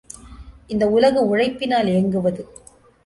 இந்த உலகு உழைப்பினால் இயங்குவது.